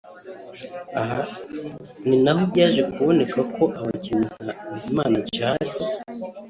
Aha ni naho byaje kuboneka ko abakinnyi nka Bizimana Djihad